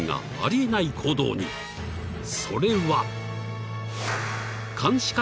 ［それは］